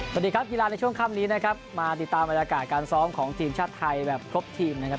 สวัสดีครับกีฬาในช่วงค่ำนี้นะครับมาติดตามบรรยากาศการซ้อมของทีมชาติไทยแบบครบทีมนะครับ